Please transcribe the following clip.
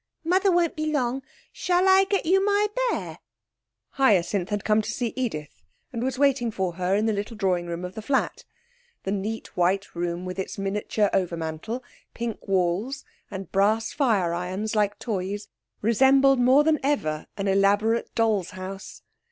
Mother won't be long. Shall I get you my bear?' Hyacinth had come to see Edith, and was waiting for her in the little drawing room of the flat. The neat white room with its miniature overmantel, pink walls, and brass fire irons like toys, resembled more than ever an elaborate doll's house.